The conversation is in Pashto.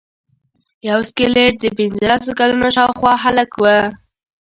یو سکلیټ د پنځلسو کلونو شاوخوا هلک و.